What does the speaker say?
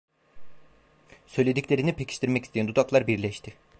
Söylediklerini pekiştirmek isteyen dudaklar birleşti.